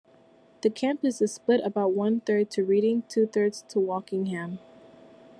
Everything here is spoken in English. The campus is split about one third to Reading, two thirds to Wokingham.